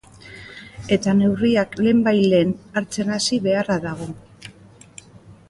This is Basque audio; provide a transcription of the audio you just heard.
Eta neurriak lehenbailehen hartzen hasi beharra dago.